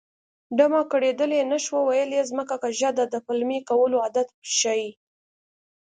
ډمه ګډېدلی نه شوه ویل یې ځمکه کږه ده د پلمې کولو عادت ښيي